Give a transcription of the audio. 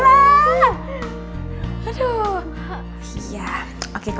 iya oke kalau ada yang mau nanya nanti aku nanya aja deh oke